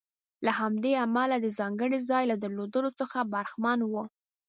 له همدې امله د ځانګړي ځای له درلودلو څخه برخمن و.